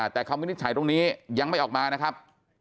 แต่คำวินิจฉัยตรงนี้ยังไม่ออกมานะครับ